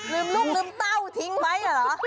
ลูกลืมเต้าทิ้งไว้เหรอ